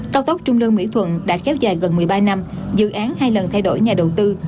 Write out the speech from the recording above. cao tốc trung lương mỹ thuận đã kéo dài gần một mươi ba năm dự án hai lần thay đổi nhà đầu tư